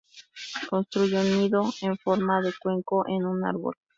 Construye un nido en forma de cuenco en un árbol.